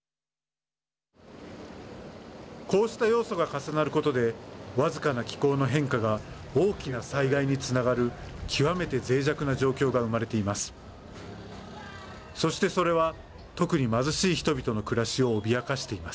こうした要素が重なることで僅かな気候の変化が大きな災害につながる極めてぜい弱な状況が生まれています。